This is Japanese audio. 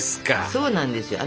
そうなんですよ。